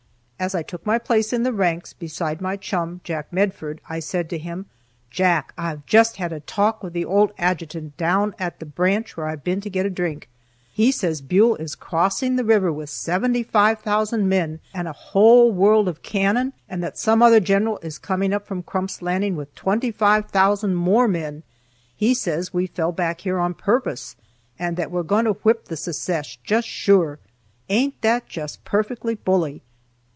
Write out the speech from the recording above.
As I took my place in the ranks beside my chum, Jack Medford, I said to him: "Jack, I've just had a talk with the old adjutant, down at the branch where I've been to get a drink. He says Buell is crossing the river with 75,000 men and a whole world of cannon, and that some other general is coming up from Crump's Landing with 25,000 more men. He says we fell back here on purpose, and that we're going to whip the Secesh, just sure. Ain't that just perfectly bully?"